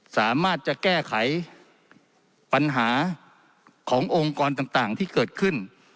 สามารถจะแก้ไขปัญหาขององค์กรต่างที่เกิดขึ้น